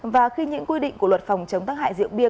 và khi những quy định của luật phòng chống tác hại rượu bia